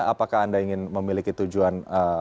apakah anda ingin memiliki tujuan